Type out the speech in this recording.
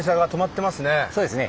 そうですね。